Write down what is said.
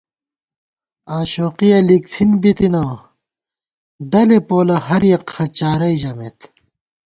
آشوقِیَہ لِکڅِھن بِتنہ ، دلے پولہ ہریَک خہ چارَئی ژمېت